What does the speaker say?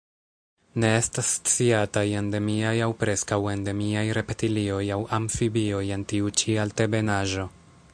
Ne estas sciataj endemiaj aŭ preskaŭ endemiaj reptilioj aŭ amfibioj en tiu ĉi altebenaĵo.